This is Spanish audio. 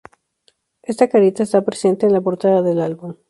Esta carita está presente en la portada del álbum.